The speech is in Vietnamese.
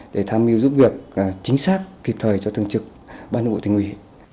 để tham mưu giúp việc chính xác kịp thời cho thường trực ban thường vụ tỉnh ủy